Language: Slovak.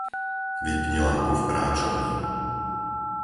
Vypni lampu v práčovni.